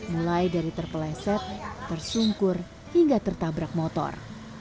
mulai dari terpeleset tersungkur hingga tertabrak motor